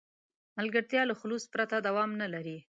ملګرتیا له خلوص پرته دوام نه لري.